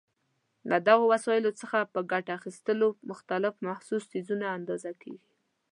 له دغو وسایلو څخه په ګټې اخیستلو مختلف محسوس څیزونه اندازه کېږي.